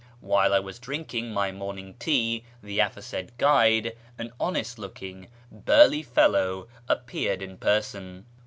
While I was drinking my morning tea the aforesaid guide, an honest looking, burly fellow, appeared in person.